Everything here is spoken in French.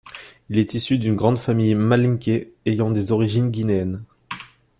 Il est issu d'une grande famille Malinké ayant des origines guinéennes.